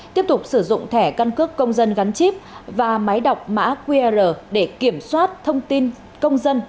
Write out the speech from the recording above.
tiếp tục sử dụng thẻ căn cước công dân gắn chip và máy đọc mã qr để kiểm soát thông tin công dân